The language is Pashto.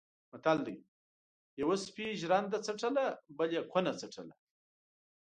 متل دی: یوه سپي ژرنده څټله بل یې کونه څټله.